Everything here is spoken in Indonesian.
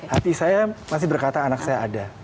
hati saya masih berkata anak saya ada